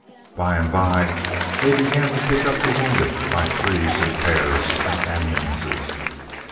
By and by, they began to pick up the wounded by threes and pairs, in ambulances.